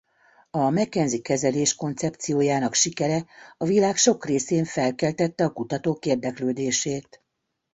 A McKenzie-kezelés koncepciójának sikere a világ sok részén felkeltette a kutatók érdeklődését.